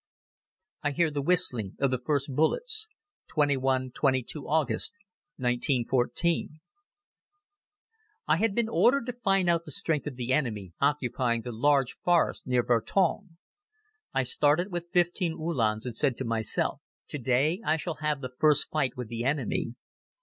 I Hear the Whistling of the First Bullets. (21 22nd August, 1914) I HAD been ordered to find out the strength of the enemy occupying the large forest near Virton. I started with fifteen Uhlans and said to myself: "To day I shall have the first fight with the enemy."